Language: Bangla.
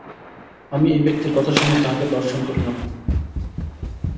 আমি এই ব্যক্তির কথা শুনিয়া তাঁহাকে দর্শন করিতে গেলাম।